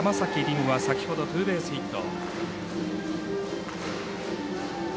夢は先ほどツーベースヒット。